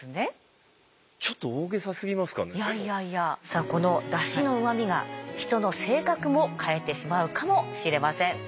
さあこのだしのうま味が人の性格も変えてしまうかもしれません。